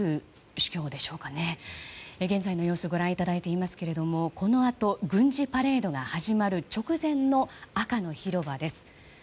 現在の様子ご覧いただいていますがこのあと軍事パレードが始まる直前の赤の広場です。